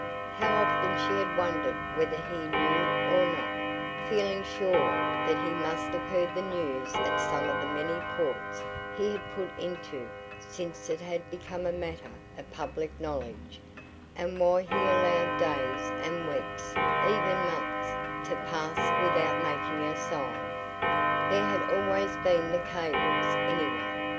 How often she had wondered whether he knew or not, feeling sure that he MUST have heard the news at some of the many ports he had put into since it had become a matter of public knowledge, and why he allowed days and weeks, even months, to pass without making a sign. There had always been the cables, anyway.